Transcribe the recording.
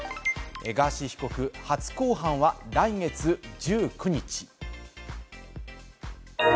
ガーシー被告、初公判は来月１９日。